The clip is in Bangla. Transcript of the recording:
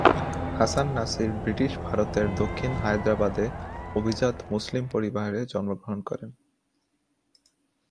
হাসান নাসির ব্রিটিশ ভারতের দক্ষিণ হায়দ্রাবাদে অভিজাত মুসলিম পরিবারে জন্মগ্রহণ করেন।